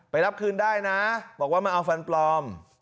รับคืนได้นะบอกว่ามาเอาฟันปลอม